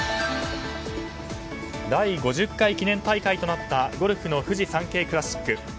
第５０回記念大会となったゴルフのフジサンケイクラシック。